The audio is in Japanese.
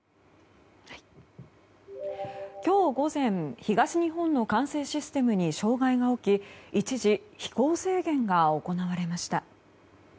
今日午前、東日本の管制システムに障害が起き一時、飛行制限が行われました。